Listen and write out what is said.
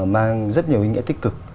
mang rất nhiều ý nghĩa tích cực